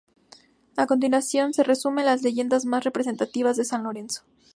A continuación se resumen las leyendas más representativas de San Lorenzo.